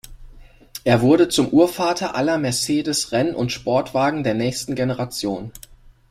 Er wurde zum Urvater aller Mercedes Renn- und Sportwagen der nächsten Generationen.